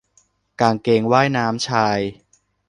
กางเกงว่ายน้ำชาย